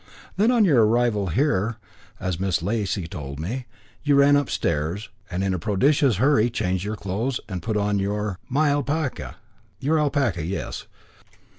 "Then, on your arrival here, as Lady Lacy told me, you ran upstairs, and in a prodigious hurry changed your clothes and put on your " "My alpaca." "Your alpaca, yes.